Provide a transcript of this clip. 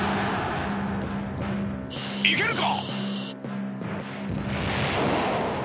いけるか！？